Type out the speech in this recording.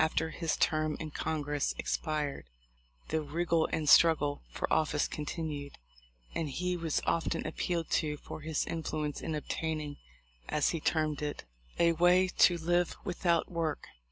After his term in Congress expired the "wriggle and struggle" for office continued; and he was often appealed to for his influence in obtain ing, as he termed it, "a way to live without work."